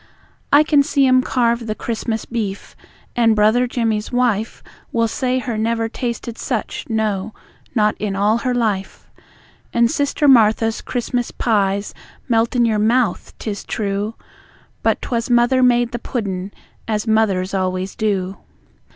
I can see 'em carve the Christmas beef, and Brother Jimmy's wife Will say her never tasted such, no, not in all her life. And Sister Martha's Christmas pies melt in your mouth, 'tis true, But 'twas Mother made the puddin', as mothers always do!